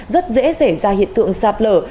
rất dễ xảy ra hiện tượng sạt lở